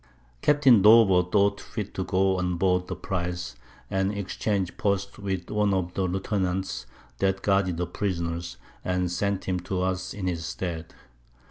Capt. Dover thought fit to go on board the Prize, and exchange Posts with one of the Lieutenants that guarded the Prisoners, and sent him to us in his stead.